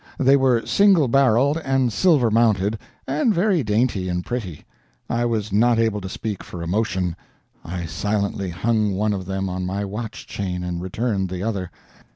They were single barreled and silver mounted, and very dainty and pretty. I was not able to speak for emotion. I silently hung one of them on my watch chain, and returned the other.